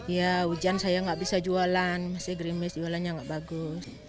ya hujan saya nggak bisa jualan masih grimis jualannya nggak bagus